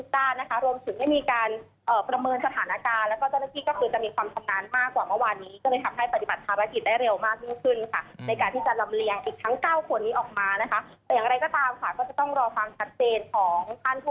ต้องรอความทัดเจนของท่านผู้ประสิทธิ์มาการของอรในการที่จะแพลง